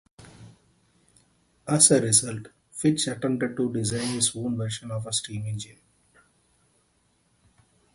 As a result, Fitch attempted to design his own version of a steam engine.